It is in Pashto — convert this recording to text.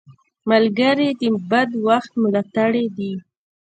ملګری د بد وخت ملاتړی وي